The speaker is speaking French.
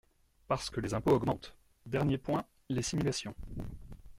Parce que les impôts augmentent ! Dernier point, les simulations.